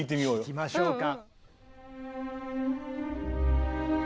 聴きましょうか。